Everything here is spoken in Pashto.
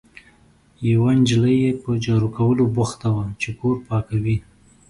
یوه نجلۍ یې په جارو کولو بوخته وه، چې کور پاکوي.